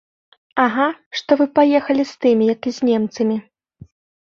Ага, што вы паехалі з тымі, як і з немцамі.